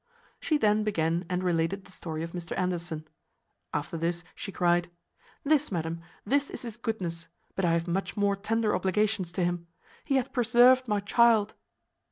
She then began and related the story of Mr Anderson. After this she cried, "This, madam, this is his goodness; but I have much more tender obligations to him. He hath preserved my child."